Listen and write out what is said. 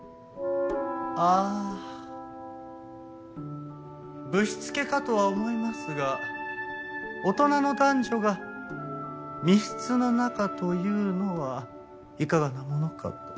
ああぶしつけかとは思いますが大人の男女が密室の中というのはいかがなものかと。